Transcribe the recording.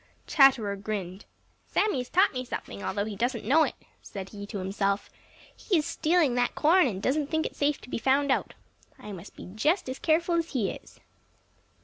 Chatterer grinned. "Sammy has taught me something, although he doesn't know it," said he to himself. "He's stealing that corn, and he doesn't think it safe to be found out. I must be just as careful as he is."